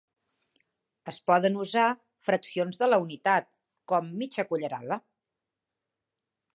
Es poden usar fraccions de la unitat, com mitja cullerada.